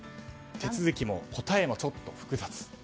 手続きも答えもちょっと複雑。